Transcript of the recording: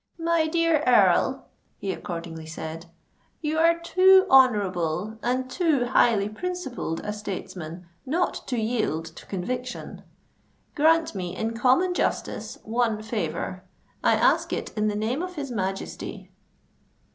"My dear Earl," he accordingly said, "you are too honourable and too highly principled a statesman not to yield to conviction. Grant me, in common justice, one favour: I ask it in the name of his Majesty."